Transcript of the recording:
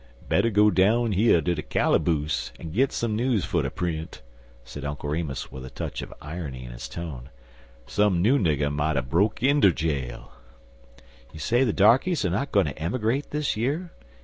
"Better go down yer ter de calaboose, an' git some news fer ter print," said Uncle Remus, with a touch of irony in his tone. "Some new nigger mighter broke inter jail." "You say the darkeys are not going to emigrate this year?"